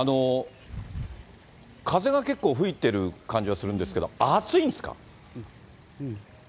風が結構吹いてる感じがするんですけど、暑いんですか。